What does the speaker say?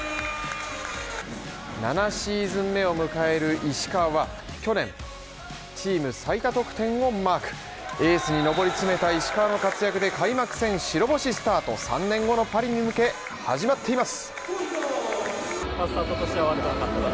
７シーズン目を迎える石川は去年チーム最多得点をマークエースに上り詰めた石川の活躍で開幕戦白星スタート３年後のパリに向けて始まっています。